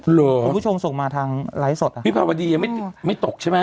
เหรอผู้ชมส่งมาทางไลฟ์สดค่ะพี่ภาวดียังไม่ไม่ตกใช่ไหม